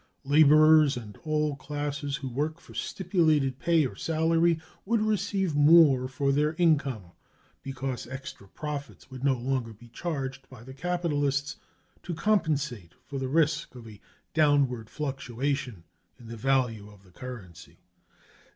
Laborers and all classes who work for stipulated pay or salary would receive more for their income, because extra profits would no longer be charged by the capitalists to compensate for the risk of a downward fluctuation in the value of the currency.